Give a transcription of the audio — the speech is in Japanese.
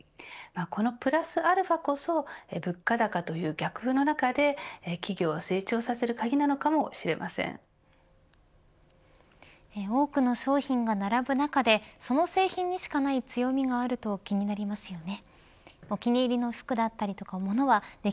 このプラスアルファこそ物価高という逆風の中で企業を成長する鍵なのかも多くの商品が並ぶ中でその製品にしかない強みがあると気になりますよね。